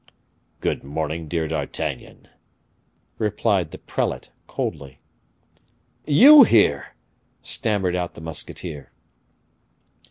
"Good morning, dear D'Artagnan," replied the prelate, coldly. "You here!" stammered out the musketeer.